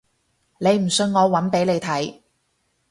你唔信我搵俾你睇